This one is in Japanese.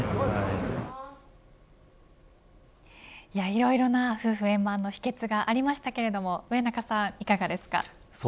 いろいろな夫婦円満の秘けつがありましたけれども上中さんいかがですか。